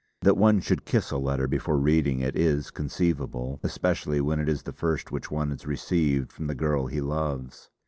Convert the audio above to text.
That one should kiss a letter before reading it, is conceivable, especially when it is the first which one has received from the girl he loves.